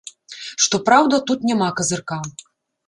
Што праўда, тут няма казырка.